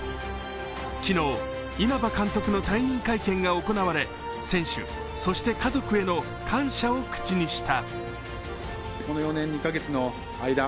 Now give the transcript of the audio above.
昨日、稲葉監督の退任会見が行われ選手、そして家族への感謝を口にした。